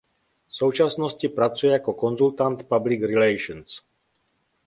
V současnosti pracuje jako konzultant public relations.